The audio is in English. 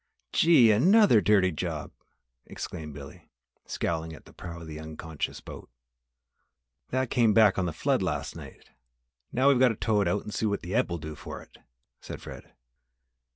"Gee! another dirty job!" exclaimed Billy, scowling at the prow of the unconscious boat. "That came back on the flood last night! Now we've got to tow it out and see what the ebb will do for it," said Fred.